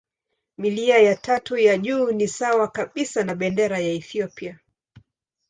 Milia ya tatu ya juu ni sawa kabisa na bendera ya Ethiopia.